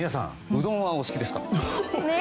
うどんはお好きですか？